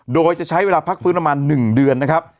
โดยจะใช้เวลาพักฟื้นประมาณ๑เดือนนะครับ